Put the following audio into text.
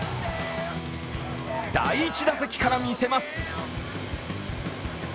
第１打席から見せます。